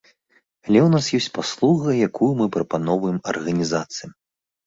Але ў нас ёсць паслуга, якую мы прапаноўваем арганізацыям.